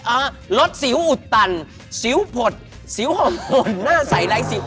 อ่ะรสสิวอุดตันสิวผดสิวห่อหน้าใสไร้สิว